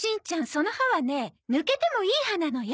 その歯はね抜けてもいい歯なのよ。